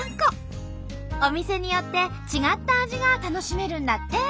お店によって違った味が楽しめるんだって。